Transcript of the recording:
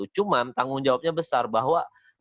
cuma tanggung jawabnya besar bahwa